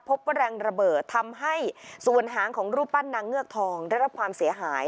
พบว่าแรงระเบิดทำให้ส่วนหางของรูปปั้นนางเงือกทองได้รับความเสียหาย